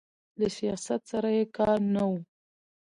له سیاست سره یې کار نه و.